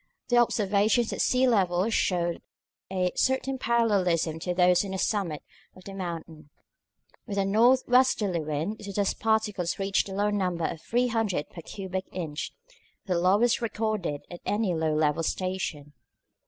The observations at sea level showed a certain parallelism to those on the summit of the mountain. With a north westerly wind the dust particles reached the low number of 300 per cubic inch, the lowest recorded at any low level station.